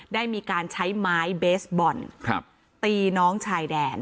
ได้มีการใช้ไม้เบสบอลตีน้องชายแดน